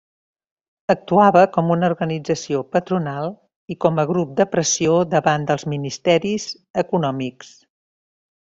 Actuava com una organització patronal, i com grup de pressió davant dels ministeris econòmics.